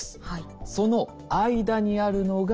その間にあるのが半導体。